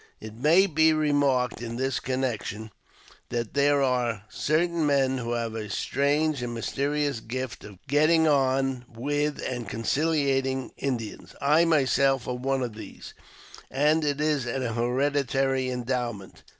'' It may be remarked in this connection that there are certain men who have a strange and mysterious gift of getting on with and conciliating Indians. I myself am one of these, and it is an hereditary endowment.